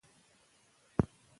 که روژه وي نو صحت نه خرابیږي.